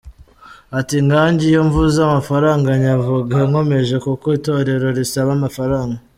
Ati “Nkanjye iyo mvuze amafaranga nyavuga nkomeje kuko Itorero risaba amafaranga.